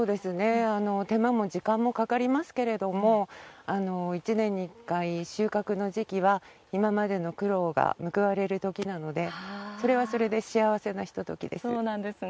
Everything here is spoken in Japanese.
手間も時間もかかりますけれども１年に１回、収穫の時期は今までの苦労が報われるときなのでそれはそれで幸せなひとときです。